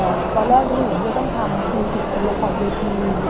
จะสู้ตลอดเร็วหมอเพิ่มให้แบบทั้งแรกที่หมอบอกไปหลัง